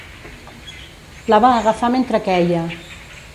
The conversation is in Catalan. La va agafar mentre queia.